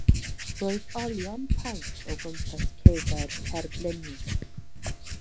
Roedd olion paent o gwmpas cegau'r cerfluniau.